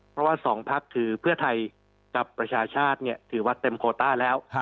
เพราะว่า๒พักคือเพื่อไทยกับประชาชาติถือว่าเต็มโคต้าแล้ว